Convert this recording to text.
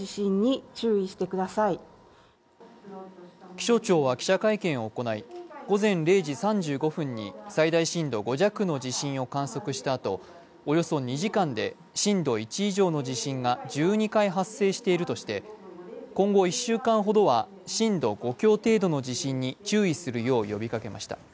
気象庁は記者会見を行い、午前０時３５分に最大震度５弱の地震を観測したあとおよそ２時間で震度１以上の地震が１２回発生しているとして今後１週間ほどは震度５強程度の地震に注意するよう呼びかけました。